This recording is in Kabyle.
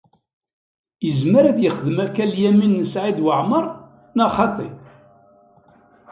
Izmer ad yexdem akka Lyamin n Saɛid Waɛmeṛ, neɣ xaṭi?